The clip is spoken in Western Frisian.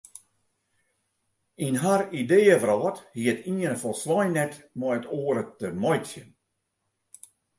Yn har ideeëwrâld hie it iene folslein net met it oare te meitsjen.